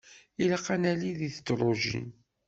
Ilaq ad nali deg tedrujin.